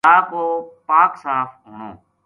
جا کو پاک صاف ہونو۔